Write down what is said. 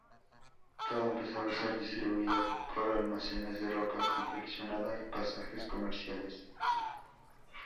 Todo empezaba a ser distribuido por almacenes de ropa confeccionada y pasajes comerciales.